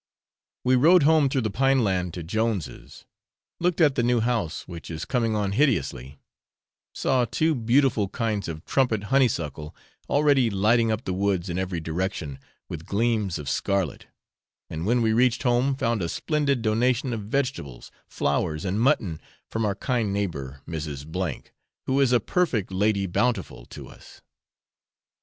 We rode home through the pine land to Jones's, looked at the new house which is coming on hideously, saw two beautiful kinds of trumpet honeysuckle already lighting up the woods in every direction with gleams of scarlet, and when we reached home found a splendid donation of vegetables, flowers, and mutton from our kind neighbour Mrs. F , who is a perfect Lady Bountiful to us.